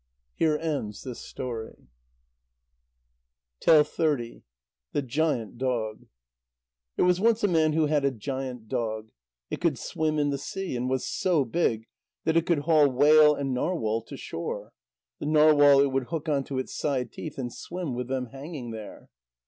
Here ends this story. THE GIANT DOG There was once a man who had a giant dog. It could swim in the sea, and was so big that it could haul whale and narwhal to shore. The narwhal it would hook on to its side teeth, and swim with them hanging there.